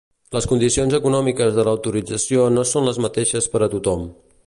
Les condicions econòmiques de l'autorització no són les mateixes per a tothom.